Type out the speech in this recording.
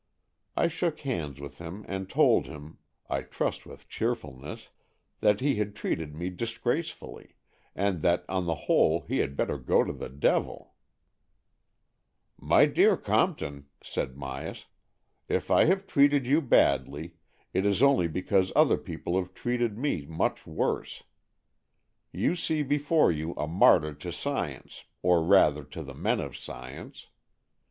I shook hands with him, and told him — I trust with cheerfulness — that he had treated me disgracefully, and that on the whole he had better go to the devil. AN EXCHANGE OF SOULS 31 " My dear Compton," said Myas, " if 1 have treated you badly, it is only because other people have treated me much' worse. You see before you a martyr to science, or rather to the men of science.